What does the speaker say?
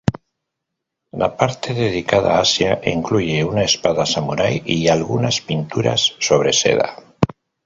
La parte dedicada a Asia incluye una espada samurai y algunas pinturas sobre seda.